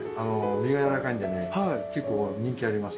身がやわらかいんでね結構人気あります。